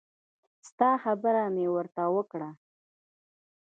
ستا خبره مې ورته وکړه.